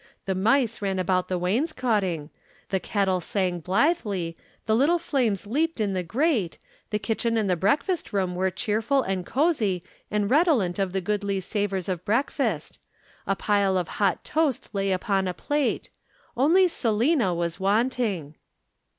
The mice ran about the wainscoting, the kettle sang blithely, the little flames leaped in the grate, the kitchen and the breakfast room were cheerful and cosy and redolent of the goodly savors of breakfast. A pile of hot toast lay upon a plate. Only Selina was wanting.